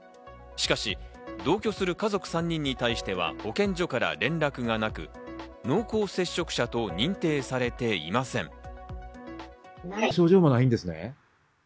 しかし同居する家族３人に対しては保健所から連絡がなく、濃厚接触者と認定されていません。